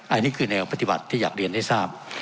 อันนี้คือแนวปฏิบัติที่อยากเรียนให้ทราบ